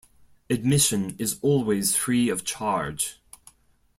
Admission is always free of charge.